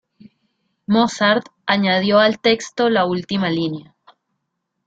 Mozart añadió al texto la última línea.